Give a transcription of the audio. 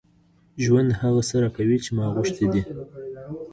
ژوند هغه څه راکوي چې ما غوښتي دي.